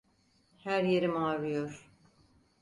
Her yerim ağrıyor.